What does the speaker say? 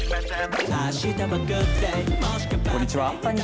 こんにちは。